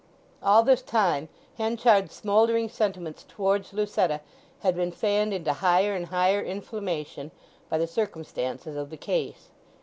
All this time Henchard's smouldering sentiments towards Lucetta had been fanned into higher and higher inflammation by the circumstances of the case.